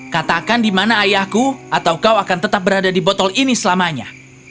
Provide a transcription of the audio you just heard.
katakan di mana ayahku atau kau akan tetap berada di botol ini selamanya